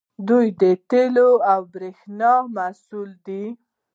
دوی د تیلو او بریښنا مسوول دي.